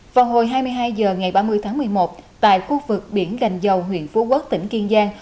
vào hồi hai mươi hai h ngày ba mươi tháng một mươi một tại khu vực biển gành dầu huyện phú quốc tỉnh kiên giang